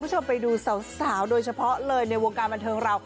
คุณผู้ชมไปดูสาวโดยเฉพาะเลยในวงการบันเทิงเรา